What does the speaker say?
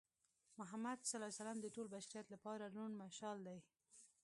محمد ص د ټول بشریت لپاره روڼ مشال دی.